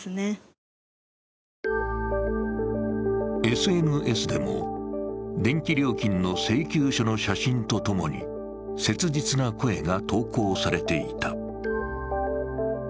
ＳＮＳでも電気料金の請求書の写真とともに切実な声が投稿されていた。